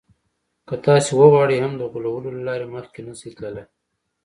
که تاسې وغواړئ هم د غولولو له لارې مخکې نه شئ تللای.